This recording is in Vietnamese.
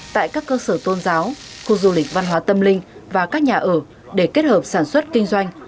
tại các cơ sở tôn giáo khu du lịch văn hóa tâm linh và các nhà ở để kết hợp sản xuất kinh doanh